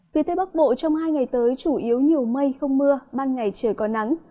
phía tây bắc bộ trong hai ngày tới chủ yếu nhiều mây không mưa ban ngày trời có nắng